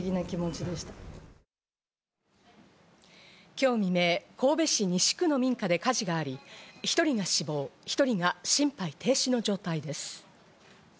今日未明、神戸市西区の民家で火事があり、１人が死亡、１人が心肺停止の状態です。